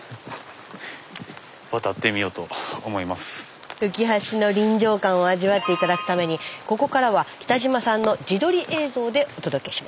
スタジオ浮橋の臨場感を味わって頂くためにここからは北島さんの自撮り映像でお届けします。